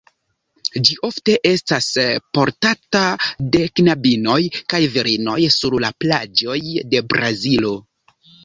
Ĝi ofte estas portata de knabinoj kaj virinoj sur la plaĝoj de Brazilo.